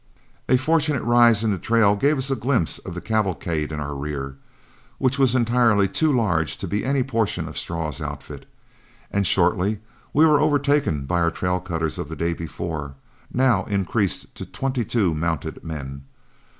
A fortunate rise in the trail gave us a glimpse of the cavalcade in our rear, which was entirely too large to be any portion of Straw's outfit; and shortly we were overtaken by our trail cutters of the day before, now increased to twenty two mounted men.